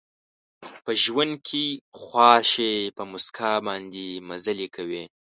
په ژوند کې خوار شي، په مسکا باندې مزلې کوي